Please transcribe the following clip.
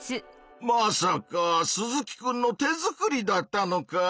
まさか鈴木くんの手作りだったのか。